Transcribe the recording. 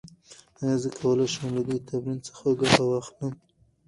ایا زه کولی شم له دې تمرین څخه ګټه واخلم؟